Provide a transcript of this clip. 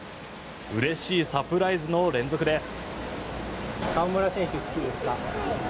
うれしいサプライズの連続です。